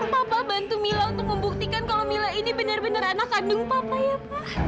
bapak bantu mila untuk membuktikan kalau mila ini benar benar anak kandung papa ya pak